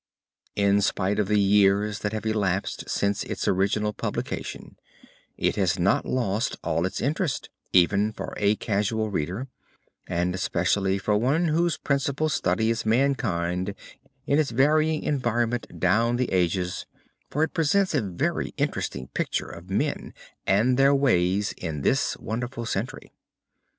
In spite of the years that have elapsed since its original publication it has not lost all its interest, even for a casual reader, and especially for one whose principal study is mankind in its varying environment down the ages, for it presents a very interesting picture of men and their ways in this wonderful century.